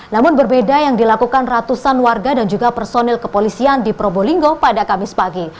namun berbeda yang dilakukan ratusan warga dan juga personil kepolisian di probolinggo pada kamis pagi